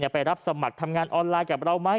ไปรับสมัครทำงานออนไลน์กับเราไหม